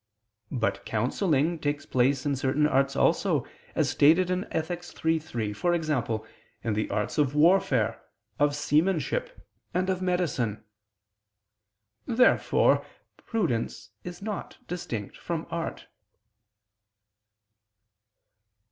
But counselling takes place in certain arts also, as stated in Ethic. iii, 3, e.g. in the arts of warfare, of seamanship, and of medicine. Therefore prudence is not distinct from art.